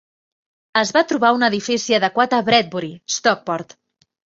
Es va trobar un edifici adequat a Bredbury, Stockport.